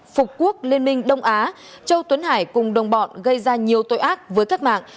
phục quốc liên minh đông á châu tuấn hải cùng đồng bọn gây ra nhiều tội ác với các mạng